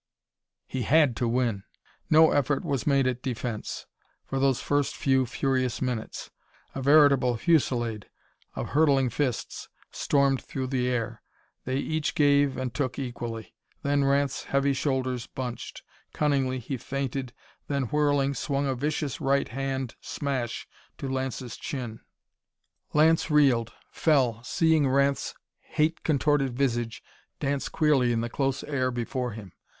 He had to win. No effort was made at defense, for those first few furious minutes. A veritable fusillade of hurtling fists stormed through the air. They each gave and took equally. Then Ranth's heavy shoulders bunched; cunningly he feinted, then, whirling, swung a vicious right hand smash to Lance's chin. Lance reeled, fell, seeing Ranth's hate contorted visage dance queerly in the close air before him.